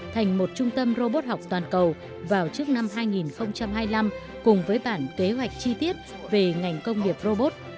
thành một trung tâm robot học toàn cầu vào trước năm hai nghìn hai mươi năm cùng với bản kế hoạch chi tiết về ngành công nghiệp robot